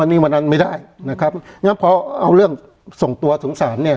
เอ่ออย่างงั้นสองตัวสงสารเนี้ย